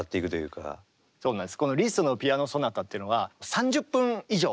このリストの「ピアノ・ソナタ」っていうのは３０分以上。